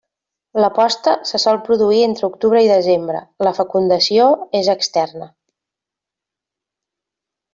La posta se sol produir entre octubre i desembre, la fecundació és externa.